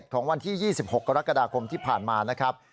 ของวันที่๒๖กรกฎาคมที่ผ่านมานะครับ